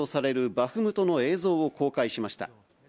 バフムトの映像を公開しました。